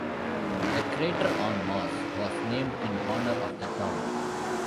A crater on Mars was named in honor of the town.